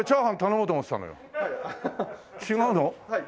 はい。